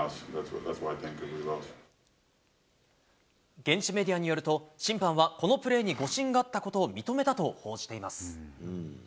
現地メディアによると、審判は、このプレーに誤審があったことを認めたと報じています。